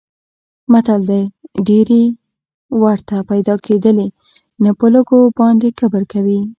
متل دی: ډېرې ورته پیدا کېدلې نه په لږو باندې کبر کوي.